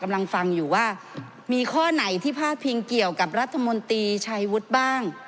มีข้อไหนที่พาทเพียงเกี่ยวกับรัฐมนตรีชัยพุทธบ้าง